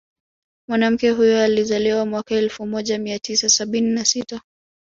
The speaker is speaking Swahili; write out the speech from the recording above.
Mwanamke huyo alizaliwa mwaka elfu moja mia tisa sabini na sita